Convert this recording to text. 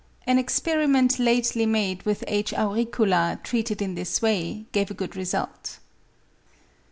An experiment lately made with H. Auricula treated in this way gave a good result.